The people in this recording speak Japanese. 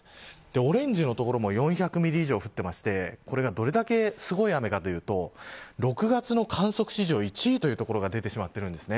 オレンジの所も４００ミリ以上降っていてこれがどれだけすごい雨かというと６月の観測史上１位という所が出てしまっているんです。